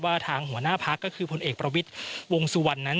ทางหัวหน้าพักก็คือผลเอกประวิทย์วงสุวรรณนั้น